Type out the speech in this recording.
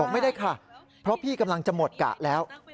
ไม่ได้ค่ะเพราะพี่กำลังจะหมดกะแล้ว